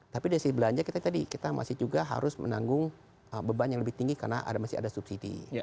tapi dari sisi belanja kita tadi kita masih juga harus menanggung beban yang lebih tinggi karena masih ada subsidi